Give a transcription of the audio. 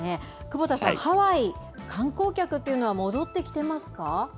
久保田さん、ハワイ、観光客っていうのは戻ってきてますか？